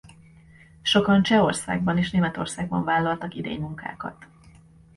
Sokan Csehországban és Németországban vállaltak idénymunkákat.